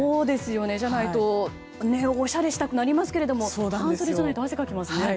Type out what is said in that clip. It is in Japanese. じゃないとおしゃれしたくなりますけども半袖じゃないと汗かきますね。